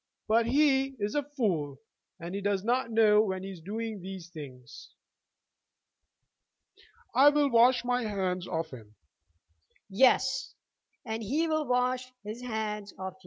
But he is a fool, and he does not know when he is doing these things." "I will wash my hands of him." "Yes; and he will wash his hands of you.